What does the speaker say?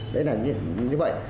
đấy là như vậy